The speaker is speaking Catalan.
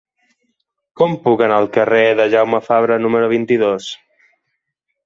Com puc anar al carrer de Jaume Fabra número vint-i-dos?